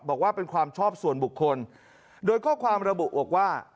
บอกว่าเป็นความชอบส่วนบุคคลโดยข้อความระบุบอกว่า